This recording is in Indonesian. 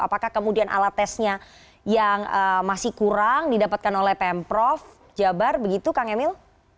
apakah kemudian alat tesnya yang masih kurang didapatkan oleh pemprov jabar begitu kang emil